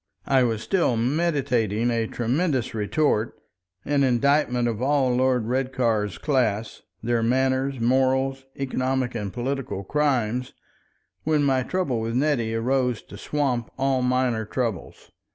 I was still meditating a tremendous retort, an indictment of all Lord Redcar's class, their manners, morals, economic and political crimes, when my trouble with Nettie arose to swamp all minor troubles.